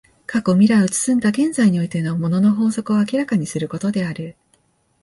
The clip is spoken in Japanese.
過去未来を包んだ現在においての物の法則を明らかにすることである。